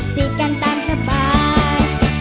จีบกันตามสบาย